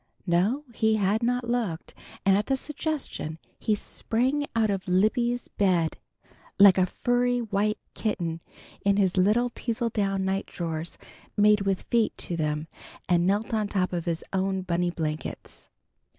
No, he had not looked, and at the suggestion he sprang out of Libby's bed like a furry white kitten in his little teazledown nightdrawers made with feet to them, and knelt on top of his own bunny blankets.